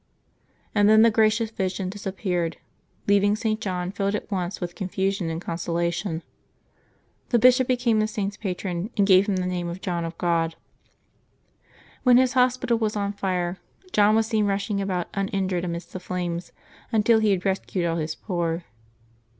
^' And then the gracious vision dis appeared, leaving St. John filled at once with confusion and consolation. The bishop became the Saint's patron, and gave him the name of John of God. When his hos pital was on fire, John was seen rushing about uninjured amidst the flames until he had rescued all his poor.